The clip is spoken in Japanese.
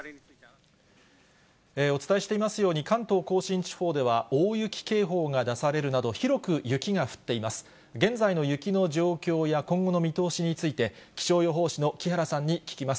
お伝えしていますように、関東甲信地方では大雪警報が出されるなど、広く雪が降っています。